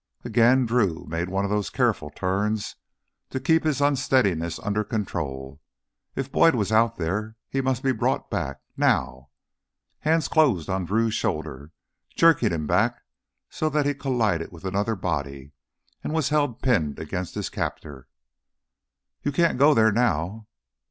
Again, Drew made one of those careful turns to keep his unsteadiness under control. If Boyd was out there, he must be brought back now! Hands closed on Drew's shoulders, jerking him back so that he collided with another body, and was held pinned against his captor. "You can't go theah now!"